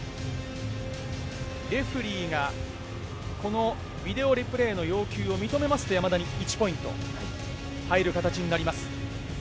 レフェリーがこのビデオリプレイの要求を認めますと、山田に１ポイント入る形になります。